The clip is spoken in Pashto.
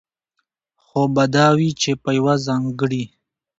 خو به دا وي، چې په يوه ځانګړي